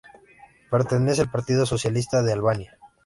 Pertenece al Partido Socialista de Albania.